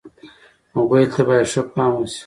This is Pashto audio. موبایل ته باید ښه پام وشي.